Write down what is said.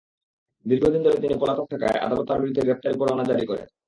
দীর্ঘদিন ধরে তিনি পলাতক থাকায় আদালত তাঁর বিরুদ্ধে গ্রেপ্তারি পরোয়ানা জারি করেন।